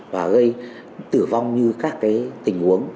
và gây tử vong như các cái tình huống